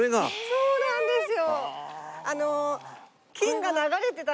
そうなんですよ。